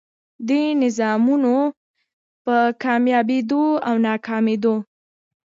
دې نظامونو په کاميابېدو او ناکامېدو